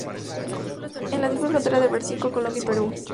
En la triple frontera del Brasil con Colombia y Perú.